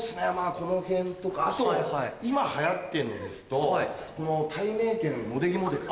このへんとかあと今流行ってんのですとこのたいめいけんの茂出木モデル。